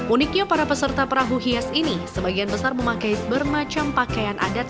uniknya para peserta perahu hias ini sebagian besar memakai bermacam pakaian adat